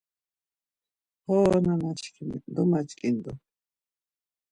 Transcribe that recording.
Ho nana çkimi, domaç̌ǩindu.